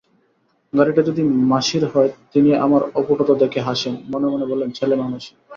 গাড়িটা যদি মাসির হয় তিনি আমার অপটুতা দেখে হাসেন, মনে মনে বলেন ছেলেমানুষি।